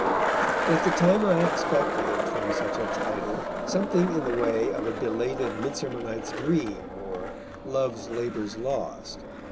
But at the time I expected, from such a title, something in the way of a belated Midsummer Night's Dream or Love's Labour's Lost.